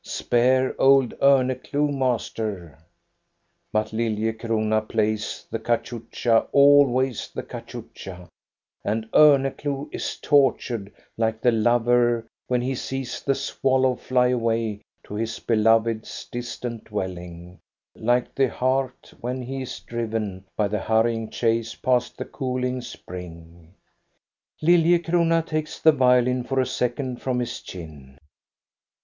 Spare ojd Orneclou, master ! But Lilliecrona plays the cachucha, always the cachucha, and Orneclou is tortured like the lover when he sees the swallow fly away to his beloved's distant dwelling, like the hart when he is driven by the hurrying chase past the cooling spring. Lilliecrona takes the violin for a second from his chin.